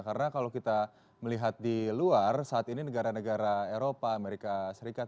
karena kalau kita melihat di luar saat ini negara negara eropa amerika serikat begitu